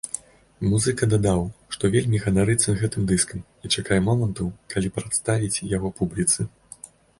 Музыка дадаў, што вельмі ганарыцца гэтым дыскам і чакае моманту, калі прадставіць яго публіцы.